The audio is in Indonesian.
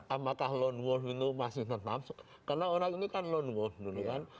apakah lone wolf itu masih tetap karena orang ini kan lone wolf dulu kan